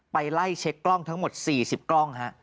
ไปไล่เช็คกล้องทั้งหมด๔๐กล้องฮะ